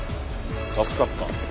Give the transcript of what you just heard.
「助かった」